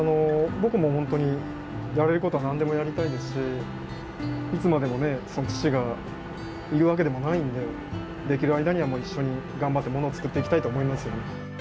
僕も本当にやれることは何でもやりたいですしいつまでもね父がいるわけでもないんでできる間にはもう一緒に頑張ってものを作っていきたいと思いますよね。